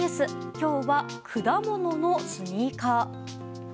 今日は、果物のスニーカー。